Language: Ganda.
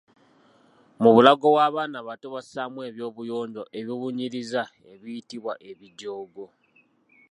Mu bulago bw’abaana abato, bassaamu eby’obuyonjo ebibunyiriza ebiyitibwa Ebijogo.